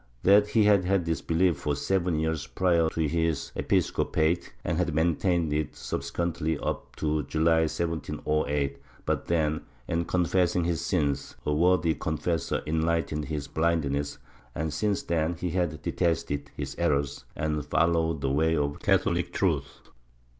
That he had had this belief for seven years prior to his episcopate, and had maintained it subsequently up to July 1708, but then, in confessing his sins, a worthy confessor enlightened Chap. V] MOLINISM 75 his blindness, and since then he had detested his errors and had followed the way of Catholic truth.